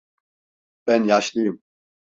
Ben yaşlıyım.